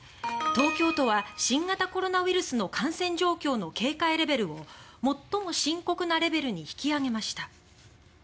東京都は、新型コロナウイルスの感染状況の警戒レベルを最も深刻なレベルに引き上げました。